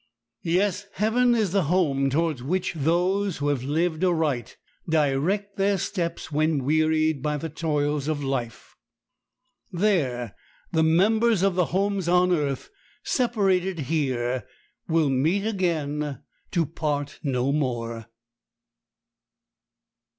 Yes, heaven is the home towards which those who have lived aright direct their steps when wearied by the toils of life. There the members of the homes on earth, separated here, will meet again, to part no more.